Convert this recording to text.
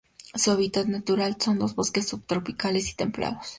Su hábitat natural son los bosques subtropicales y templados.